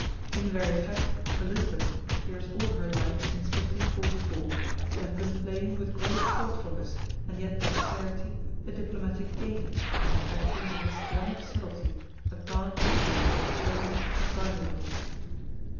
In very fact Elizabeth appears all her life since 1544 to have been playing with great thoughtfulness and yet dexterity a diplomatic game acting with histrionic subtlety a part which she had chosen advisedly.